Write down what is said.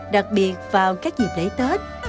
đặc biệt vào các dịp lễ tết